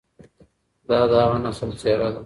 دا د هغه نسل څېره ده،